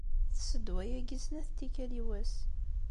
Tess ddwa-agi snat n tikkal i wass.